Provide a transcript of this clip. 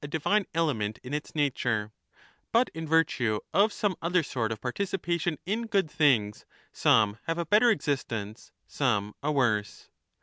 7 Miy divine clement in its nature ; but in virtue of some other sort of participation in good things some have a better existence, some a worse.